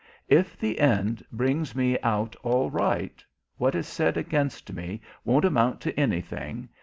If the end brings me out all right, what is said against me won't amount to anything.